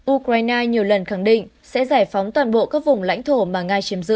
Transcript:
ukraine nhiều lần khẳng định sẽ giải phóng toàn bộ các vùng lãnh thổ mà nga chiếm giữ